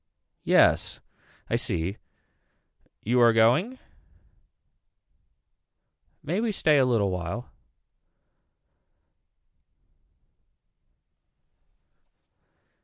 Yes I see. You are going. May we stay a little while.